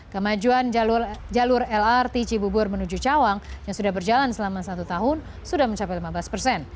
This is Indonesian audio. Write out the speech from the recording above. kemajuan jalur lrt cibubur menuju cawang yang sudah berjalan selama satu tahun sudah mencapai lima belas persen